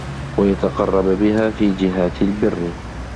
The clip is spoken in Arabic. وَيَتَقَرَّبَ بِهَا فِي جِهَاتِ الْبِرِّ